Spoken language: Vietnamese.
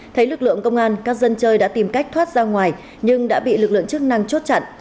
thấy lực lượng công an các dân chơi đã tìm cách thoát ra ngoài nhưng đã bị lực lượng chức năng chốt chặn